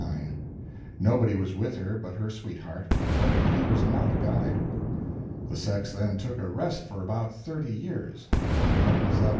Nobody was with her but her sweetheart, and he was not a guide. The sex then took a rest for about thirty years, when a Mlle.